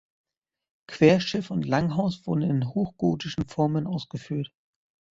Querschiff und Langhaus wurden in hochgotischen Formen ausgeführt.